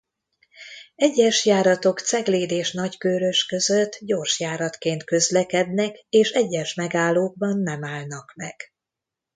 Egyes járatok Cegléd és Nagykőrös között gyorsjáratként közlekednek és egyes megállókban nem állnak meg.